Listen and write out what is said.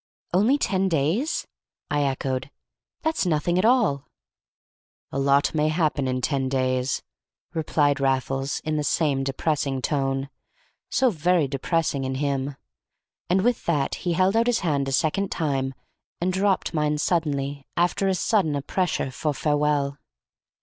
"Only ten days?" I echoed. "That's nothing at all." "A lot may happen in ten days," replied Raffles, in the same depressing tone, so very depressing in him; and with that he held out his hand a second time, and dropped mine suddenly after as sudden a pressure for farewell.